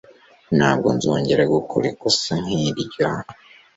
Ntabwo nzongera gukora ikosa nk'iryo